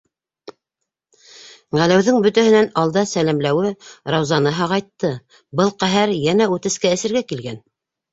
- Ғәләүҙең бөтәһенән алда сәләмләүе Раузаны һағайтты: был, ҡәһәр, йәнә үтескә эсергә килгән!